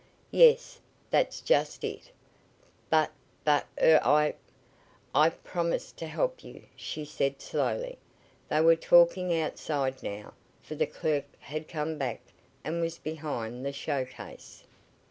"Yes, that's just it." "But but er I " "I've promised to help you,", she said slowly. They were talking outside now, for the clerk had come back and was behind the showcase.